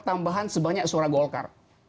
tambahan sebanyak suara golkar